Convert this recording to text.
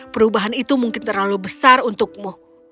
perubahan itu mungkin terlalu besar untukmu